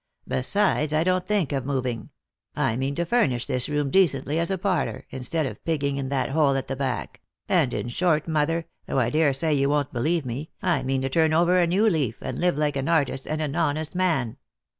" Besides, I don't think of moving; I mean to furnish this room decently as a parlour, instead of pigging in that hole at the back; and in short, mother, though I daresay you won't believe me, I mean to turn over a new leaf, and live like an artist and an honest man."